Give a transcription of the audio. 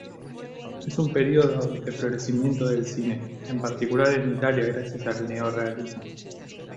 Es un periodo de florecimiento del cine, en particular en Italia gracias al Neorrealismo.